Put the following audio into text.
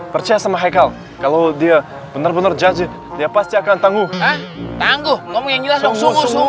percaya sama kalau dia bener bener jajik pasti akan tangguh tangguh